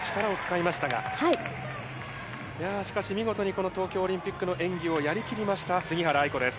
いやー、しかし見事にこの東京オリンピックの演技をやりきりました、杉原愛子です。